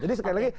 jadi sekali lagi